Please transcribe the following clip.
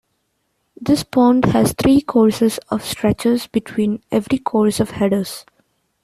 This bond has three courses of stretchers between every course of headers.